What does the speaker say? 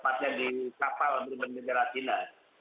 maka di kapal berbeda negara china